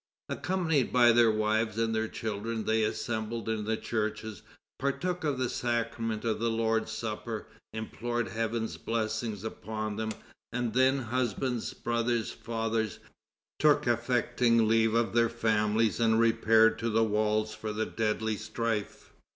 Accompanied by their wives and their children, they assembled in the churches, partook of the sacrament of the Lord's Supper, implored Heaven's blessing upon them, and then husbands, brothers, fathers, took affecting leave of their families and repaired to the walls for the deadly strife.